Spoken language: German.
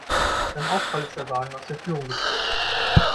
Beim Aufprall ist der Wagen aus der Führung gesprungen.